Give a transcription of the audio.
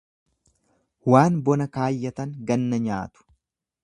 Waan bona kaayyatan ganna nyaatu.